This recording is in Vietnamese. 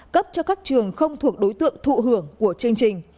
cấp cho các trường không thuộc đối tượng thụ hưởng của chương trình